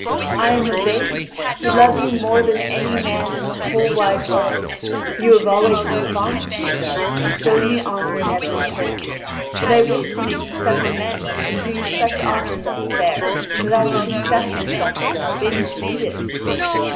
"I am Yvain, who love you more than any man in the whole wide world, for you have always been fond of me and shown me honour in every court. But I wish to make you such amends and do you such honour in this affair that I will confess myself to have been defeated."